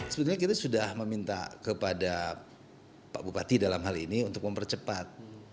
sebenarnya kita sudah meminta kepada pak bupati dalam hal ini untuk mempercepat